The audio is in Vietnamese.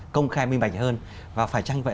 công khai minh bạch hơn và phải chăng vậy